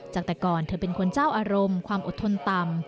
จากแต่ก่อนเธอเป็นคนเจ้าอารมณ์ความอดทนต่ำ